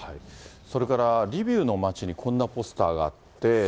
それからリビウの街に、こんなポスターがあって。